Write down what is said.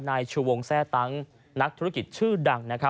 นายชูวงแซ่ตังฉลาดนักธุรกิจชื่อดัง